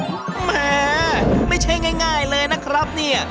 แหมไม่ใช่ง่ายเลยนะครับเนี่ย